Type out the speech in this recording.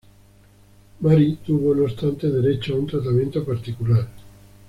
Marie tuvo, no obstante, derecho a un tratamiento particular.